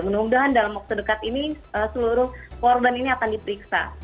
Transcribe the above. mudah mudahan dalam waktu dekat ini seluruh korban ini akan diperiksa